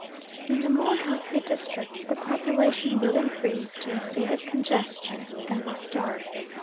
In the more healthy districts the population will increase to a state of congestion and will starve.